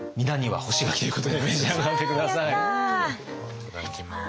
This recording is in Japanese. いただきます。